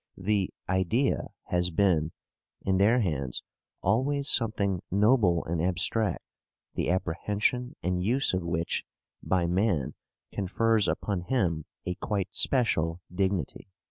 The "idea" has been, in their hands, always something noble and abstract, the apprehension and use of which by man confers upon him a quite special dignity.